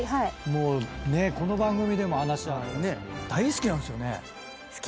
もうこの番組でも話あったし大好きなんですよね。